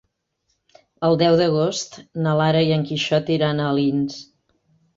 El deu d'agost na Lara i en Quixot iran a Alins.